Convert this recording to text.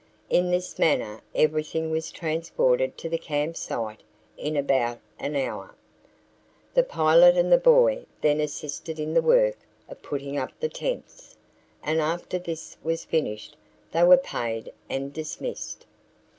In this manner everything was transported to the camp site in about an hour. The pilot and the boy then assisted in the work of putting up the tents, and after this was finished they were paid and dismissed.